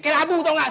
kayak abu tau gak